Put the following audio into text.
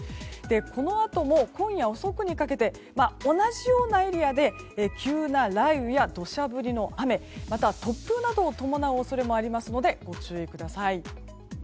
このあとも今夜遅くにかけて同じようなエリアで急な雷雨や土砂降りの雨突風などを伴う恐れもあるのでご注意ください。